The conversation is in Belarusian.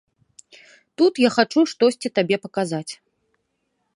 Тут я хачу штосьці табе паказаць.